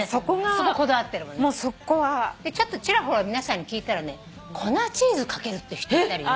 ちらほら皆さんに聞いたらね粉チーズかけるって人いたりね。